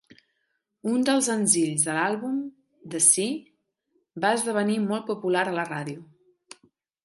Un dels senzills de l'àlbum, "The Sea", va esdevenir molt popular a la ràdio.